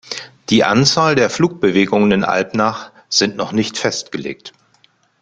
Die Anzahl der Flugbewegungen in Alpnach sind noch nicht festgelegt.